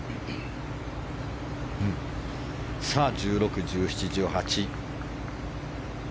さあ、１６、１７、１８。